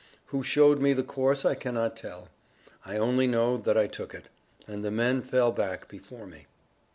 Who showed me the course I cannot tell. I only know that I took it. And the men fell back before me.